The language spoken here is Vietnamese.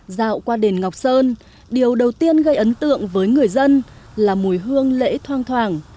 dạo qua đền ngọc sơn điều đầu tiên gây ấn tượng với người dân là mùi hương lễ thoang thoảng